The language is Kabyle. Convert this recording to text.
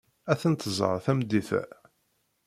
Ad tent-tẓer tameddit-a.